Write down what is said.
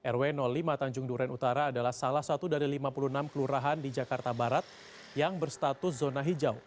rw lima tanjung duren utara adalah salah satu dari lima puluh enam kelurahan di jakarta barat yang berstatus zona hijau